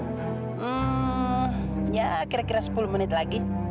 hmm ya kira kira sepuluh menit lagi